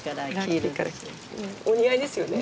お似合いですよね。